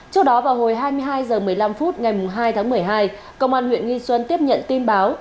trước đó vào hồi hai mươi hai h một mươi năm phút ngày hai tháng một mươi hai công an huyện nghi xuân tiếp nhận tin báo